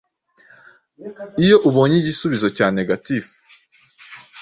iyo ubonye igisubizo cya negatif